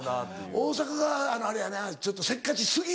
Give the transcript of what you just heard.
大阪があれやなちょっとせっかち過ぎんねんな。